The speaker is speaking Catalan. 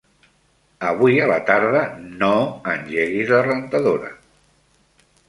Avui a la tarda no engeguis la rentadora.